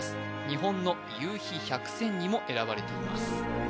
日本の夕日百選にも選ばれています